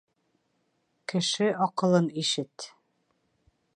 Кеше аҡылын ишет